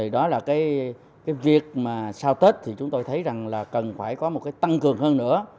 đó là cái việc mà sau tết thì chúng tôi thấy rằng là cần phải có một cái tăng cường hơn nữa